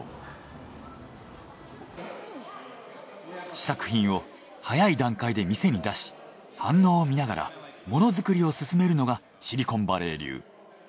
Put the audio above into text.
試作品を早い段階で店に出し反応を見ながらものづくりを進めるのがシリコンバレー流。